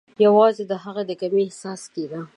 یوازي د هغه د کمۍ احساس کېده.